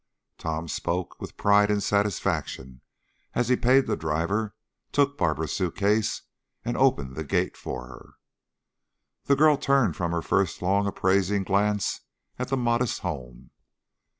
Tom spoke with pride and satisfaction as he paid the driver, took Barbara's suitcase, and opened the gate for her. The girl turned from her first long, appraising gaze at the modest home.